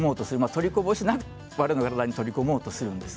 取りこぼしなく体にとり込もうとするんです。